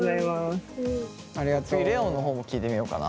次レオンの方も聞いてみようかな。